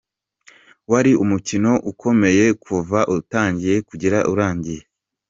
Wari umukino ukomeye kuva utangiye kugera urangiye.